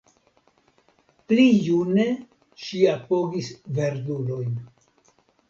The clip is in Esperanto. Pli june ŝi apogis verdulojn.